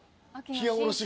ひやおろし？